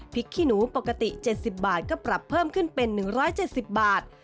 พริกขี้หนูปกติเจ็ดสิบบาทก็ปรับเพิ่มขึ้นเป็นหนึ่งร้อยเจ็ดสิบบาท